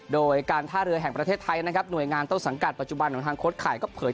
โดยการท่าเรือแห่งประเทศไทยนะครับหน่วยงานต้นสังกัดปัจจุบันของทางโค้ดไข่ก็เผย